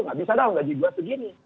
gak bisa dong gaji gua segini